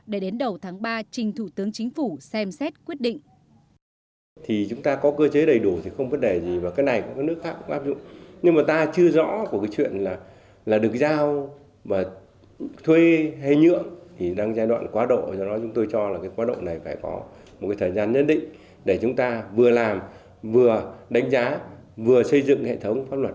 để đến đầu tháng ba trình thủ tướng chính phủ xem xét quyết định